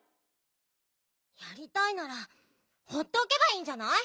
やりたいならほうっておけばいいんじゃない？